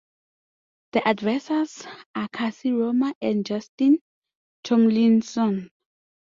The advisors are Cassie Roma and Justin Tomlinson.